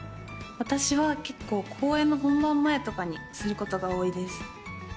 私は結構公演の本番前とかにすることが多いです。